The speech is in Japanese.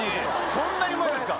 そんなにうまいですか？